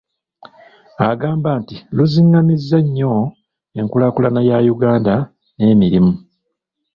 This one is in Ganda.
Agamba nti luzingamizza nnyo enkulaakulana ya Uganda n’emirimu.